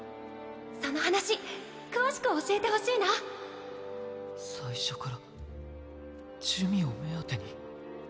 その話詳しく教えてほしいな最初から珠魅を目当てに。